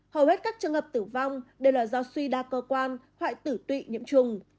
hầu hết các trường hợp tử vong đều là do suy đa cơ quan hoại tử tụy nhiễm trùng